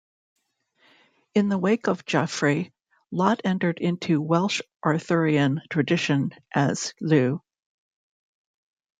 In the wake of Geoffrey, Lot entered into Welsh Arthurian tradition as "Lleu".